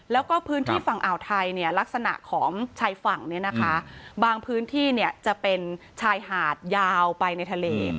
แล้วก็พื้นที่ฝั่งอ่าวไทยเนี่ยลักษณะของชายฝั่งเนี่ยนะคะบางพื้นที่จะเป็นชายหาดยาวไปในทะเล